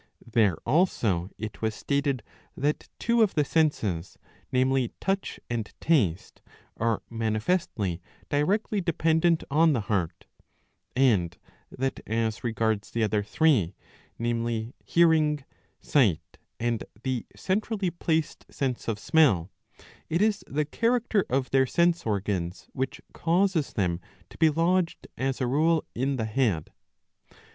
There also it was stated that two of the senses, namely touch and taste, are manifestly directly dependent on the heart ;^" and that as regards the other three, namely hearing, sight, and the centrally placed sense of smell, it is the character of their sense organs '^ which causes them to be lodged as a rule in the head.